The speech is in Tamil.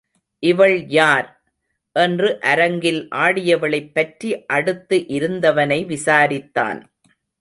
இவள் யார்? என்று அரங்கில் ஆடியவளைப் பற்றி அடுத்து இருந்தவனை விசாரித்தான்.